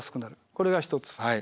これが一つ。